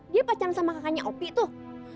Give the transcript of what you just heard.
dia pacar sama kakaknya opi tuh